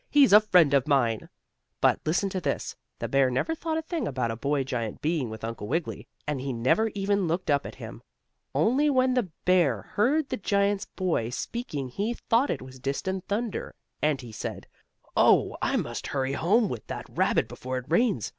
He's a friend of mine!" But, listen to this, the bear never thought a thing about a boy giant being with Uncle Wiggily, and he never even looked up at him. Only when the bear heard the giant's boy speaking he thought it was distant thunder, and he said: "Oh, I must hurry home with that rabbit before it rains.